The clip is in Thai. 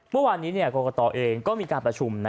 เมื่อวานนี้กรกตเองก็มีการประชุม